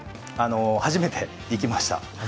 初めて行きました。